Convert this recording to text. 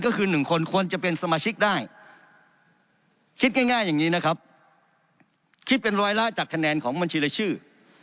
ก็คือ๑คนควรจะเป็นสมาชิกได้คิดง่ายอย่างนี้นะครับคิดเป็นร้อยละจากคะแนนของบัญชีรายชื่อ